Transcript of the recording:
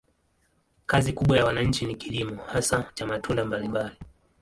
Kazi kubwa ya wananchi ni kilimo, hasa cha matunda mbalimbali.